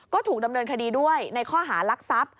ก็ถูกดำเนินคดีด้วยในข้อหารักทรัพย์